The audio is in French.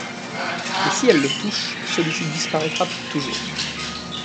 Mais si elle le touche, celui-ci disparaîtra pour toujours.